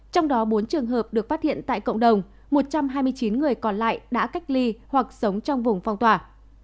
trong đó bốn trường hợp được phát hiện tại cộng đồng một trăm hai mươi chín người còn lại đã cách ly hoặc sống trong vùng phong tỏa